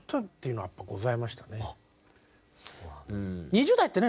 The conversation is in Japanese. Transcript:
はい。